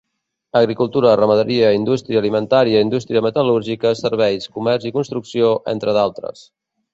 Agricultura, ramaderia, indústria alimentària, indústria metal·lúrgica, serveis, comerç i construcció, entre d'altres.